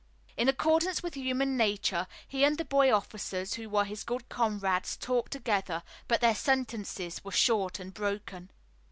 In accordance with human nature he and the boy officers who were his good comrades talked together, but their sentences were short and broken.